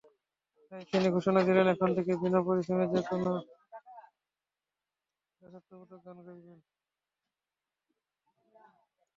তাই তিনি ঘোষণা দিলেন, এখন থেকে বিনা পারিশ্রমিকে যেকোনো দেশাত্মবোধক গান গাইবেন।